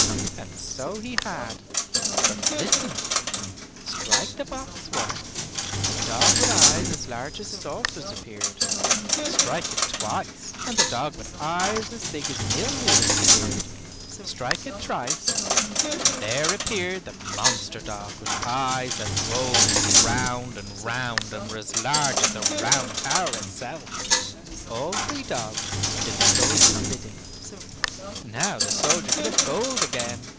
And so he had, for listen! Strike the box once, the dog with eyes as large as saucers appeared. Strike it twice and the dog with eyes as big as mill wheels appeared. Strike it thrice and there appeared the monster dog with eyes that rolled round and round and were as large as the Round Tower itself. All three dogs did the soldier's bidding. Now the soldier could have gold again.